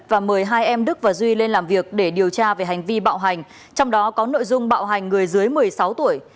và mời hai em đức và duy lên làm việc để điều tra về hành vi bạo hành trong đó có nội dung bạo hành người dưới một mươi sáu tuổi